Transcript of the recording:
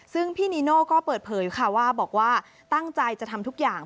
ซึ่งพี่นิโน่ก็เปิดเผยว่าตั้งใจจะทำทุกอย่าง